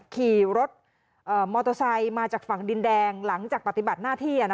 ขี่รถมอเตอร์ไซค์มาจากฝั่งดินแดงหลังจากปฏิบัติหน้าที่